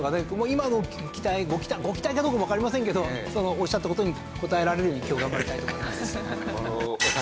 今の期待ご期待かどうかもわかりませんけどおっしゃった事に応えられるように今日は頑張りたいと思います。